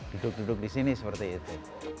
hidup duduk di sini seperti itu